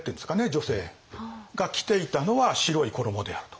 女性が着ていたのは白い衣であると。